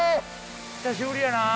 久しぶりやな。